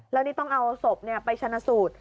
แล้วนี่ต้องเอาศพไปชนะสูตร